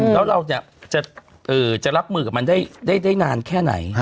แล้วเราจะรับมือกับมันได้นานแค่ไหน